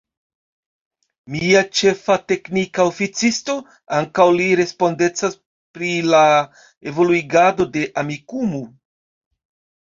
Mia Ĉefa Teknika Oficisto ankaŭ li respondecas pri la evoluigado de Amikumu